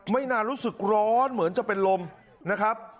ไม่นานรู้สึกร้อนเหมือนจะเป็นลมนะครับ